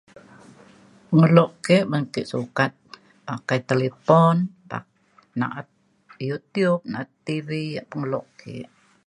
pengelo ke ban ke sukat pakai talipon pak- na’at YouTube na’at TV yak pengelo ke